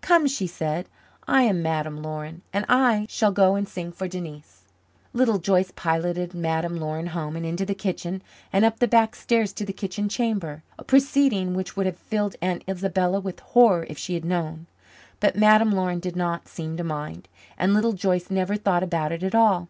"Come," she said. "I am Madame Laurin, and I shall go and sing for Denise." Little Joyce piloted Madame Laurin home and into the kitchen and up the back stairs to the kitchen chamber a proceeding which would have filled Aunt Isabella with horror if she had known. But Madame Laurin did not seem to mind, and Little Joyce never thought about it at all.